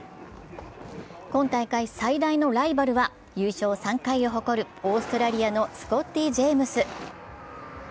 今大会、最大のライバルは優勝３回を誇る、オーストラリアのスコッティ・ジェームス。